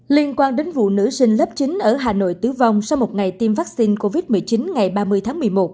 liên quan đến vụ nữ sinh lớp chín ở hà nội tử vong sau một ngày tiêm vaccine covid một mươi chín ngày ba mươi tháng một mươi một